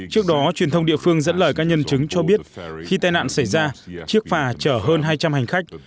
trước đó truyền thông địa phương dẫn lời các nhân chứng cho biết khi tai nạn xảy ra chiếc phà chở hơn hai trăm linh hành khách